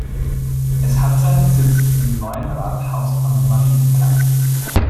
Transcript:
Es hat seinen Sitz im neuen Rathaus am Marienplatz.